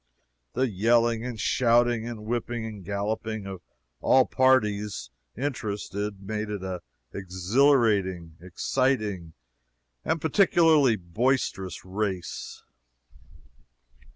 The yelling and shouting, and whipping and galloping, of all parties interested, made it an exhilarating, exciting, and particularly boisterous race.